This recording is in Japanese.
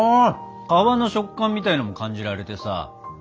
皮の食感みたいなのも感じられてさ。